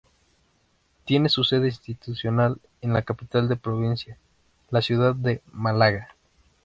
Tiene su sede institucional en la capital de la provincia, la ciudad de Málaga.